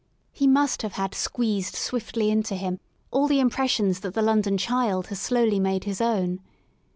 '' He must have had squeezed swiftly into him all the im pressions that the London child has slowly made his own.